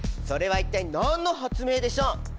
それは一体何の発明でしょう？